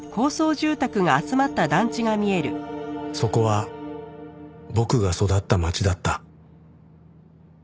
そこは僕が育った街だった